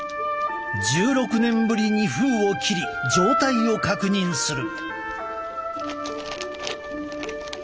１６年ぶりに封を切り状態を確認する。